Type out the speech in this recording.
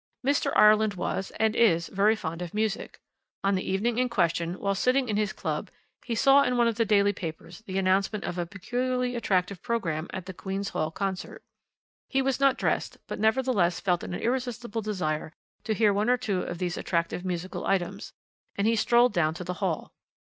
"Mr. Ireland was, and is, very fond of music. On the evening in question, while sitting in his club, he saw in one of the daily papers the announcement of a peculiarly attractive programme at the Queen's Hall concert. He was not dressed, but nevertheless felt an irresistible desire to hear one or two of these attractive musical items, and he strolled down to the Hall.